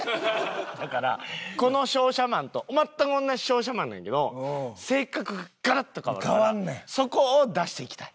だからこの商社マンと全く同じ商社マンなんやけど性格がガラッと変わるからそこを出していきたい。